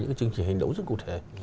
những cái chương trình hành động rất cụ thể